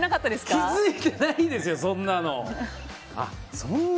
気づいてないですよ、そんなの。